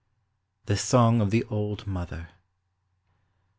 THE SONG OF THE OLD MOTHER.